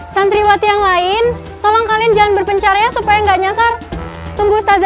santriwati yang lain tolong kalian jangan berpencarnya supaya nggak nyasar tunggu stasiun